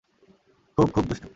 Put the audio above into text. খুব খুব দুষ্টু।